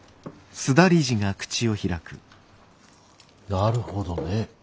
なるほどね。